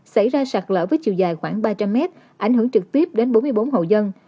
xảy ra sạt lở với chiều dài khoảng ba trăm linh mét ảnh hưởng trực tiếp đến bốn mươi bốn hộ dân